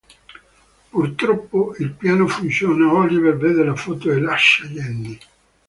Purtroppo il piano funziona, Oliver vede la foto e lascia Jenny.